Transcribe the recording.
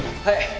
はい！